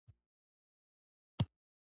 داسې مې احساس کړه لکه روح مې له بدنه وتلی وي.